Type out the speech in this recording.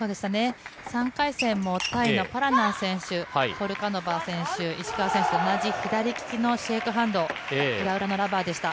３回戦もタイのパラナー選手、ポルカノバ選手、石川選手と同じ左利きのシェイクハンド、ラバーでした。